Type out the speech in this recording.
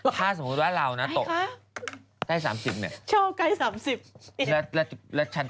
ถ้าสมมุติว่าเรานะต้อง